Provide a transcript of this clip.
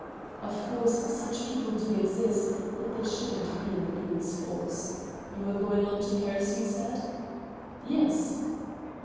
Of course, such people do exist, but they shouldn't be in the police force. You are going on to Paris, you said?" "Yes."